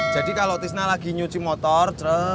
jadi kalau tisna lagi nyuci motor